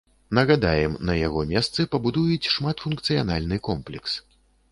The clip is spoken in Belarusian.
Нагадаем, на яго месцы пабудуюць шматфункцыянальны комплекс.